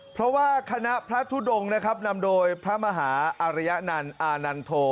เพราะว่าคณะพระทุดงนะครับนำโดยพระมหาอารยนันต์อานันโท